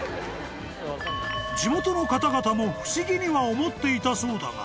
［地元の方々も不思議には思っていたそうだが］